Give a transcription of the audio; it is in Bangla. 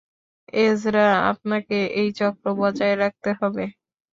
এজরা, আপনাকে এই চক্র বজায় রাখতে হবে।